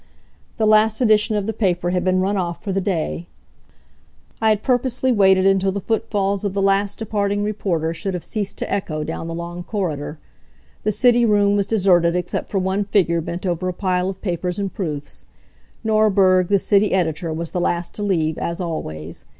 The last edition of the paper had been run off for the day. I had purposely waited until the footfalls of the last departing reporter should have ceased to echo down the long corridor. The city room was deserted except for one figure bent over a pile of papers and proofs. Norberg, the city editor, was the last to leave, as always.